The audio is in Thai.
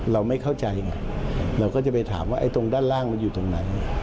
เราไม่เข้าใจไงเราก็จะไปถามว่าไอ้ตรงด้านล่างมันอยู่ตรงไหน